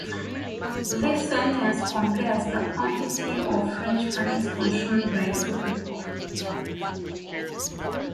This sentence compares the quantity of French fries consumed by two people.